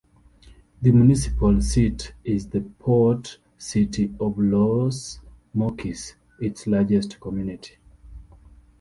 The municipal seat is the port city of Los Mochis, its largest community.